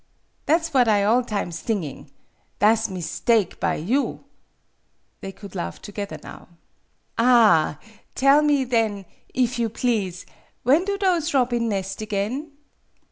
Tha' 's what I all times thinging. Tha' 's mis take, by you ?" They could laugh together now. " Ah ! Tell me, then, if you please, when do those robin nest again